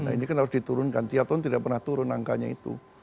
ini kan harus diturunkan tiap tahun tidak pernah turun angkanya itu